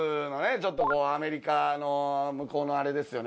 ちょっとアメリカの向こうのあれですよね。